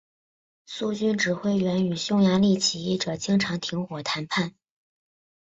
苏军指挥员与匈牙利起义者经常停火谈判。